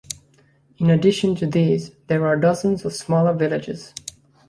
In addition to these, there are dozens of smaller villages.